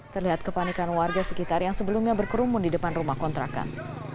terlihat kepanikan warga sekitar yang sebelumnya berkerumun di depan rumah kontrakan